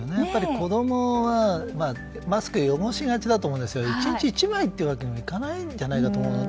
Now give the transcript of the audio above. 子供はマスクを汚しがちだと思いますが１日１枚というわけにもいかないんじゃないかと思うので